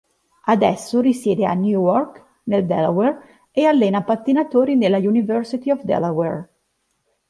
Adesso risiede a Newark nel Delaware e allena pattinatori nella "University of Delaware".